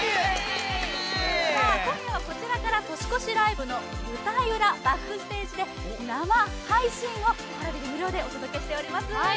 今夜はこちらから年越しライブの舞台裏バックステージで生配信をＰａｒａｖｉで無料でお届けしています。